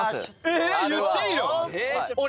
えー言っていいの？